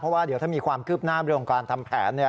เพราะว่าเดี๋ยวถ้ามีความคืบหน้าเรื่องของการทำแผน